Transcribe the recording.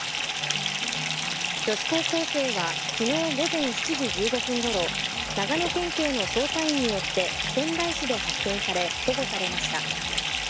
女子高校生は昨日午前７時１５分ごろ長野県警の捜査員によって仙台市で発見され保護されました。